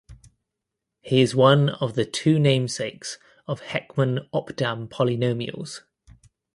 He is one of the two namesakes of Heckman–Opdam polynomials.